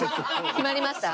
決まりました。